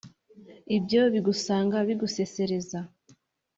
ibyo bigusanga bigusesereza